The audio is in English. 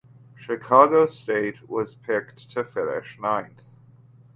Chicago State was picked to finish ninth.